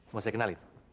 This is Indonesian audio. mau saya kenalin